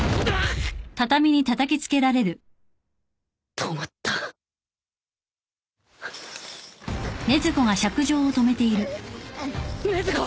止まった禰豆子！